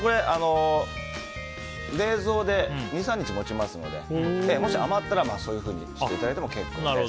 冷蔵で２３日もちますのでもし余ったら、そういうふうにしていただいても結構です。